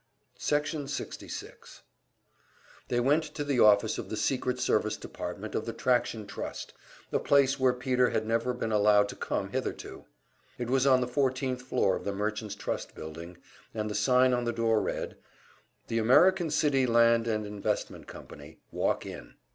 Section 66 They went to the office of the secret service department of the Traction Trust, a place where Peter had never been allowed to come hitherto. It was on the fourteenth floor of the Merchant's Trust Building, and the sign on the door read: "The American City Land & Investment Company. Walk In."